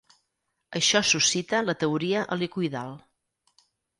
Això suscita la teoria helicoïdal.